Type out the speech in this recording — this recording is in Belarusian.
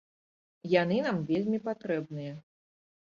Яны нам вельмі патрэбныя.